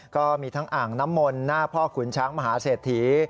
ก็มีทั้งอ่างน้ำมนต์หน้าพ่อขุนช้างมหาเศรษฐี